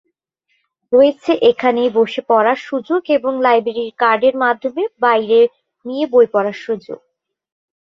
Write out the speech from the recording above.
রয়েছে এখানেই বসে পড়ার সুযোগ এবং লাইব্রেরী কার্ড এর মাধ্যমে বাইরে নিয়ে বই পড়ার সুযোগ।